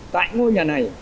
tại ngôi nhà này